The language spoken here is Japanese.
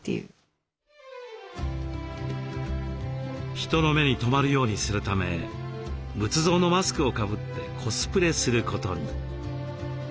人の目に留まるようにするため仏像のマスクをかぶってコスプレすることに。